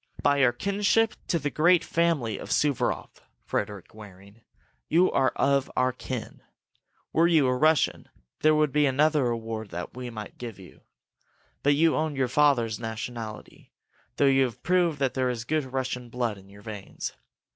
"By your kinship to the great family of Suvaroff, Frederick Waring, you are of our kin. Were you a Russian, there would be another reward that we might give you. But you own your father's nationality, though you have proved that there is good Russian blood in your veins.